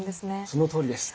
そのとおりです！